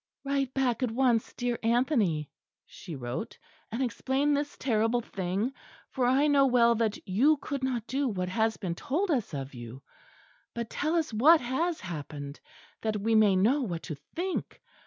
"Write back at once, dear Anthony," she wrote, "and explain this terrible thing, for I know well that you could not do what has been told us of you. But tell us what has happened, that we may know what to think.